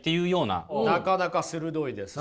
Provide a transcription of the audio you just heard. なかなか鋭いです。